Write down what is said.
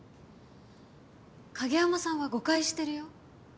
影山さんは誤解してるよ。